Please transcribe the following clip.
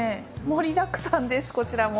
盛りだくさんです、こちらも。